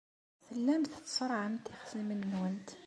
Tellamt tṣerrɛemt ixṣimen-nwent.